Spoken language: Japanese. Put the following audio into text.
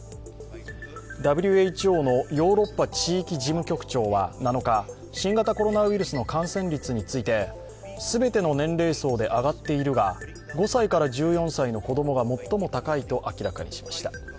ＷＨＯのヨーロッパ地域事務局長は７日、新形コロナウイルスの感染率について全ての年齢層で上がっているが、５歳から１４歳の子供が最も高いと明らかにしました。